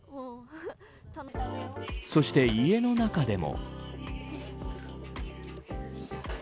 そして、家の中でも。